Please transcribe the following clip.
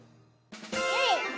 ゆい！